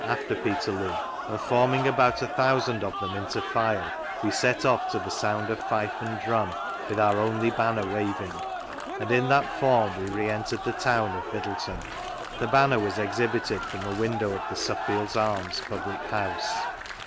after Peterloo], and forming about a thousand of them into file, we set off to the sound of fife and drum, wifA our only banner waving, and in that fonn we re entered the town of Middleton. The Banner was exhibited from a window of the Suffield's Arms public house."